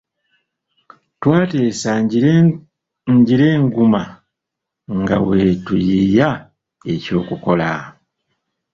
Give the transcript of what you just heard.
Twateesa ngira nguma nga bwe tuyiiya ekyokukola.